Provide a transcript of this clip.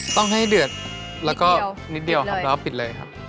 ต้องให้เดือดแล้วก็นิดเดียวครับแล้วก็ปิดเลยครับ